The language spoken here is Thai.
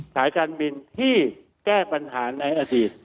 สายการบินที่แก้ปัญหาในอดีต